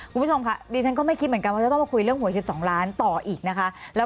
คุณผู้ชมค่ะดิฉันก็ไม่คิดเหมือนกันว่าจะต้องมาคุยเรื่องหวย๑๒ล้านต่ออีกนะคะ